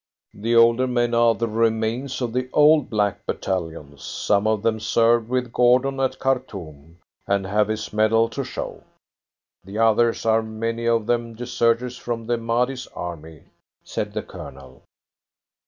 "The older men are the remains of the old black battalions. Some of them served with Gordon at Khartoum, and have his medal to show. The others are many of them deserters from the Mahdi's army," said the Colonel.